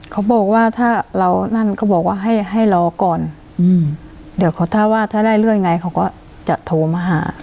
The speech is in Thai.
เขาบอกว่าถ้าเรานั่นก็บอกว่าให้ให้รอก่อนอืมเดี๋ยวเขาถ้าว่าถ้าได้เรื่องไงเขาก็จะโทรมาหา